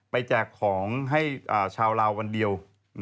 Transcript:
แจกของให้ชาวลาววันเดียว